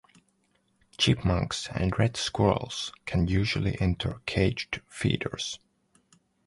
Chipmunks and red squirrels can usually enter caged feeders.